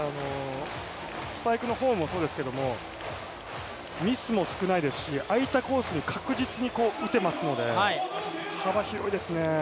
スパイクの方もそうですけどミスも少ないですし、空いたコースに確実に打てますので幅広いですね。